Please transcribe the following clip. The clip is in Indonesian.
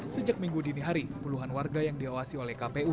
sejak minggu dini hari puluhan warga yang diawasi oleh kpu